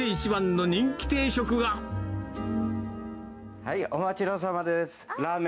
はい、お待ちどおさまです。